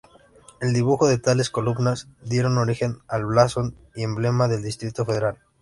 El dibujo de tales columnas dieron origen al blasón y emblema del Distrito Federal.